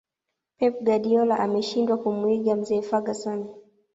pep guardiola ameshindwa kumuiga mzee ferguson